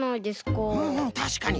うんうんたしかに。